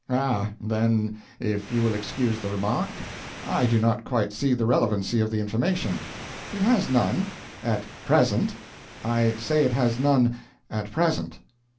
"Ah. Then if you will excuse the remark I do not quite see the relevancy of the information." "It has none. At present. I say it has none at present."